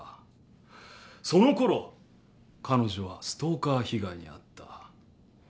そのころ彼女はストーカー被害に遭った。